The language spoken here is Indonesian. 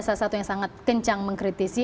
salah satu yang sangat kencang mengkritisi